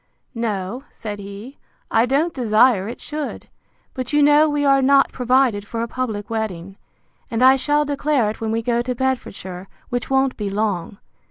No, said he, I don't desire it should; but you know we are not provided for a public wedding, and I shall declare it when we go to Bedfordshire, which won't be long.